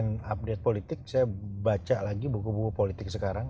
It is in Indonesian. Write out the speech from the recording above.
dengan update politik saya baca lagi buku buku politik sekarang